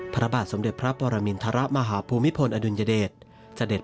พระบาทสมเด็จพระปรมินทรมาฮภูมิพลอดุลยเดชเสด็จ